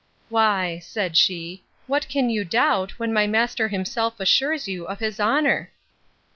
Why, said she, what can you doubt, when my master himself assures you of his honour?